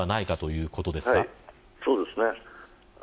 そうですね。